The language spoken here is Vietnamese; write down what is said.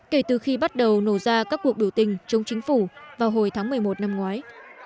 kể từ khi bắt đầu nổ ra các cuộc biểu tình chống chính phủ vào hồi tháng một mươi một năm ngoái